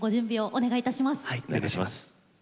お願いいたします。